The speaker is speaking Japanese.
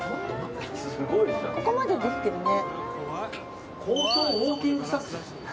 ここまでですけどね。